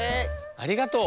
ありがとう。